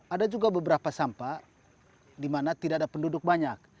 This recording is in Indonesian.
ada juga beberapa sampah di mana tidak ada penduduk banyak